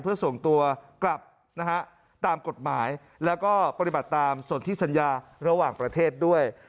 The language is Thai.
เพื่อส่งตัวกลับนะฮะตามกฎหมายแล้วก็ปฏิบัติตามส่วนที่สัญญาระหว่างประเทศด้วย